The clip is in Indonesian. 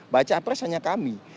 baca pres hanya kami